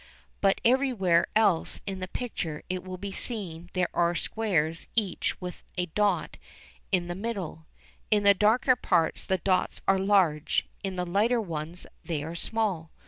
But everywhere else in the picture it will be seen that there are squares each with a dot in the middle. In the darker parts the dots are large; in the lighter ones they are small.